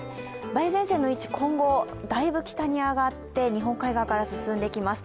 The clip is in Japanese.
梅雨前線の位置、今後、だいぶ北に上がって日本海側から進んできます。